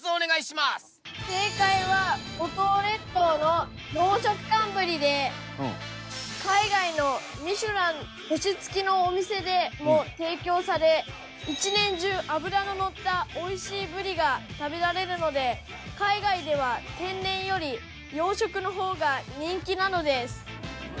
正解は五島列島の養殖寒ブリで海外の『ミシュラン』星付きのお店でも提供され１年中脂の乗ったおいしいブリが食べられるので海外では天然より養殖の方が人気なのです。